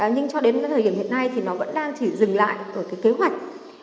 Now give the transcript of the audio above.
nhưng cho đến thời điểm hiện nay thì nó vẫn đang chỉ dừng lại của kế hoạch